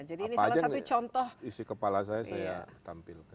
apa aja isi kepala saya saya tampilkan